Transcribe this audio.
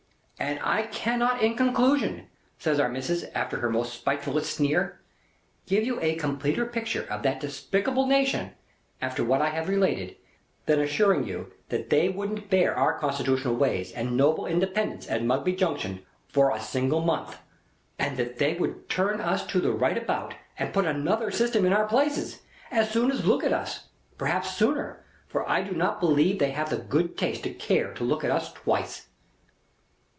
"And I cannot in conclusion," says Our Missis, with her spitefullest sneer, "give you a completer pictur of that despicable nation (after what I have related), than assuring you that they wouldn't bear our constitutional ways and noble independence at Mugby Junction, for a single month, and that they would turn us to the right about and put another system in our places, as soon as look at us; perhaps sooner, for I do not believe they have the good taste to care to look at us twice."